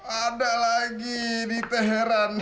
ada lagi diteran